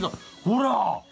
ほら！